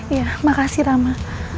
iya makasih rama